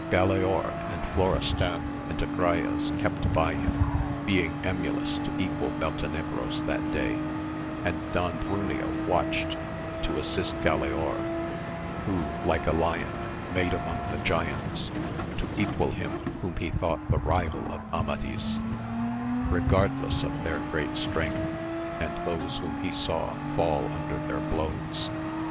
AMADI8 OF GAUL. 55 Galaor and Florestan, and Agrayes kept by him, being emulous to equal Beltenebros that day, and Don Bruneo watched to assist Galaor, who, like a lion made among the giants, to equal him whom he thought the rival of Amadis, regardless of their great strength, and those whom he saw fall under their blows.